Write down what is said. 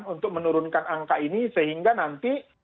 untuk menurunkan angka ini sehingga nanti